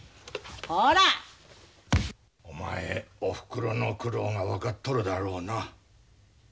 こら！お前おふくろの苦労が分かっとるだろうな。